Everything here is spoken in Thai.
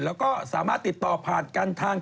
แล้วก็สามารถติดต่อผ่านกันทาง